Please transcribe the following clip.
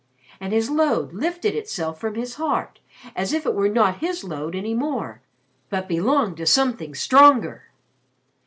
And his load lifted itself from his heart, as if it were not his load any more but belonged to something stronger.